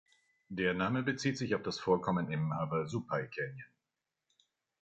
Der Namen bezieht sich auf das Vorkommen im Havasupai Canyon.